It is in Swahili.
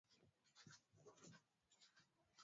Hakuwahi kufanya kazi wala kumwona Baba wa Taifa